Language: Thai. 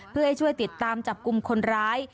เพื่อให้ช่วยติดตามจับกลุ่มคนร้าย